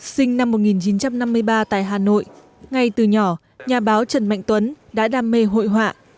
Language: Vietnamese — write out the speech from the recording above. sinh năm một nghìn chín trăm năm mươi ba tại hà nội ngay từ nhỏ nhà báo trần mạnh tuấn đã đam mê hội họa